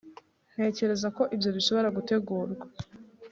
ntekereza ko ibyo bishobora gutegurwa